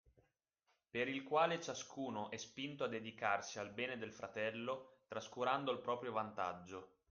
Per il quale ciascuno è spinto a dedicarsi al bene del fratello trascurando il proprio vantaggio.